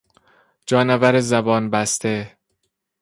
جانور زبان بسته